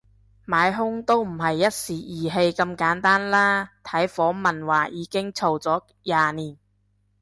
買兇都唔係一時意氣咁簡單啦，睇訪問話已經嘈咗廿年